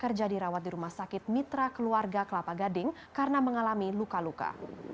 kerja dirawat di rumah sakit mitra keluarga kelapa gading karena mengalami luka luka